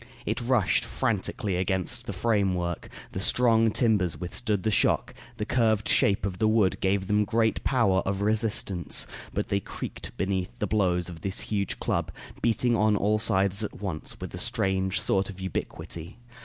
It rushed frantically against the framework; the strong timbers withstood the shock; the curved shape of the wood gave them great power of resistance; but they creaked beneath the blows of this huge club, beating on all sides at once, with a strange sort of ubiquity.